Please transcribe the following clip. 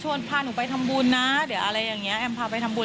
พาหนูไปทำบุญนะเดี๋ยวอะไรอย่างนี้แอมพาไปทำบุญ